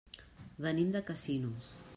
Venim de Casinos.